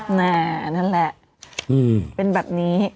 หน้ายังนะนั่นแหละเป็นแบบนี้